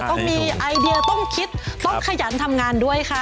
ต้องมีไอเดียต้องคิดต้องขยันทำงานด้วยค่ะ